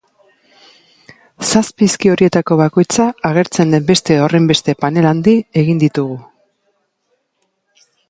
Zazpi hizki horietako bakoitza agertzen den beste horrenbeste panel handi egin ditugu.